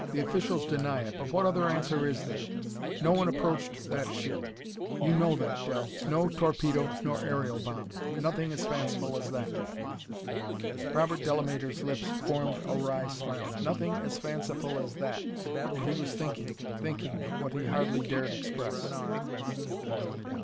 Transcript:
"The officials deny it, but what other answer is there? No one approached that ship you know that, Del no torpedo nor aerial bomb! Nothing as fanciful as that!" Robert Delamater's lips formed a wry smile. "Nothing at fanciful as that" and he was thinking, thinking of what he hardly dared express.